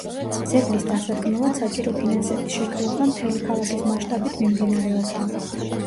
ძეგლის დასადგმელად საჭირო ფინანსების შეგროვება მთელი ქალაქის მასშტაბით მიმდინარეობდა.